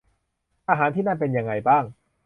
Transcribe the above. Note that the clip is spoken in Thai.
อาหารที่นั่นเป็นยังไงบ้าง